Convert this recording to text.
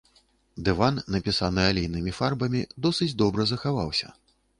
Дыван, напісаны алейнымі фарбамі, досыць добра захаваўся.